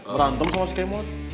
berantem sama si kemut